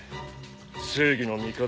正義の味方。